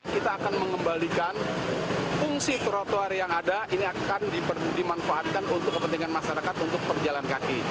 kita akan mengembalikan fungsi trotoar yang ada ini akan dimanfaatkan untuk kepentingan masyarakat untuk perjalan kaki